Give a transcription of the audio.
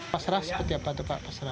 pasrah seperti apa itu pak pasrah